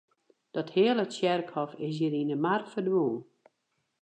Dat hele tsjerkhôf is hjir yn de mar ferdwûn.